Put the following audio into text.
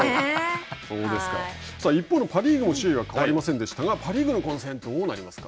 一方のパ・リーグも首位は変わりませんでしたがパ・リーグの混戦はどうなりますか。